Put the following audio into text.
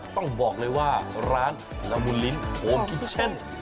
ต้องบอกเลยว่าร้านละมุนลิ้นโอคิเช่น